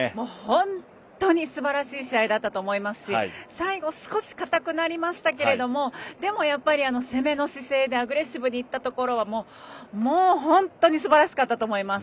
本当にすばらしい試合だったと思いますし、最後少しかたくなりましたけれどもでも、やっぱり攻めの姿勢でアグレッシブにいったところはもう本当にすばらしかったと思います。